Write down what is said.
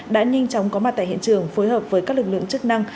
đã nhanh chóng có mặt tại hiện trường phối hợp với các lực lượng chức năng